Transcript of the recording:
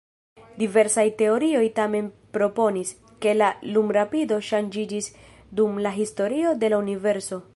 Diversaj teorioj tamen proponis, ke la lumrapido ŝanĝiĝis dum la historio de la universo.